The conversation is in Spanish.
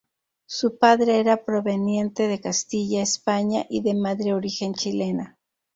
Su padre era proveniente de Castilla, España, y de madre origen chilena.